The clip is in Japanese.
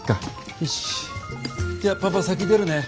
よしじゃあパパ先出るね。